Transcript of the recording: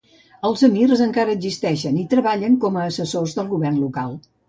Els emirs encara existeixen i treballen com a assessors del govern local.